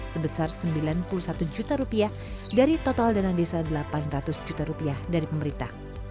sebesar sembilan puluh satu juta rupiah dari total dana desa delapan ratus juta rupiah dari pemerintah